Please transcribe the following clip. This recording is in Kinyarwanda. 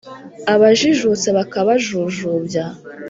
Abajijutse bakabajujubya